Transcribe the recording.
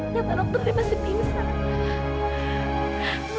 kata dokter dia pasti pingsan